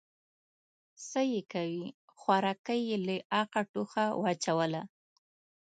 _څه يې کوې، خوارکی يې له اخه ټوخه واچوله.